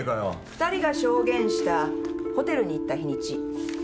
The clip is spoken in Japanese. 二人が証言したホテルに行った日にち１２月２２日。